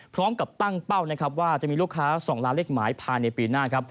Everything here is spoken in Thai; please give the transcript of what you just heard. พร้อมกับตั้งเป้านะครับว่าจะมีลูกค้า๒ล้านเลขหมายภายในปีหน้าครับ